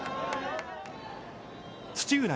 土浦